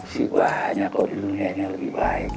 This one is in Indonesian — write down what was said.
sibahnya kok di dunianya lebih baik